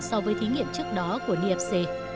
so với thí nghiệm trước đó của nfc